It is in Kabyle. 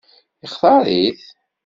Yextaṛ-it?